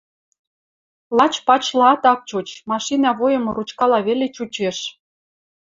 лач пачлаат ак чуч, машинӓ войымы ручкала веле чучеш.